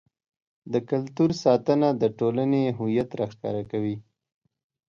د کلتور ساتنه د ټولنې هویت راښکاره کوي.